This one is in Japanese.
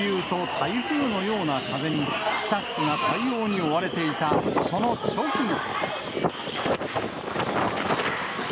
台風のような風に、スタッフが対応に追われていたその直後。